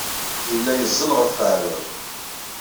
Yella yeẓẓel ɣef weɛrur.